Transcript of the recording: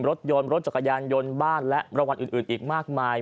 รถโยนรถจัดกายันยนต์บ้านและละวันอื่นอื่นอีกมากมาย